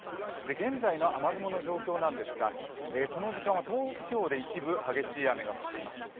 現在の雨雲の状況なんですが、この時間は東北地方で一部、激しい雨が降っています。